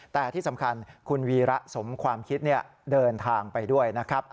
แต่ที่สำคัญคุณวีระสมความคิดเดินทางไปด้วยนะครับ